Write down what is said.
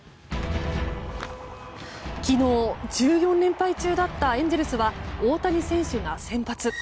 昨日、１４連敗中だったエンゼルスは大谷選手が先発。